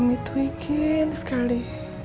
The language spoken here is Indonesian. mami tuh ingin sekali